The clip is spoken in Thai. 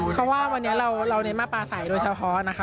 เพราะว่าวันนี้เราเน้นมาประสัยโดยเฉพาะ